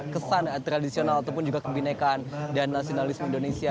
kesan tradisional ataupun juga kebinekaan dan nasionalisme indonesia